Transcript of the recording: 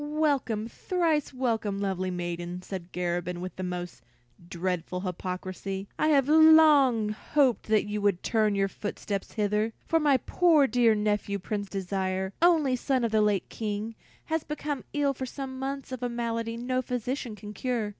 "Welcome, thrice welcome, lovely maiden," said Garabin with the most dreadful hypocrisy. "I have long hoped that you would turn your footsteps hither, for my poor dear nephew, Prince Desire, only son of the late King, has been ill for some months of a malady no physician can cure.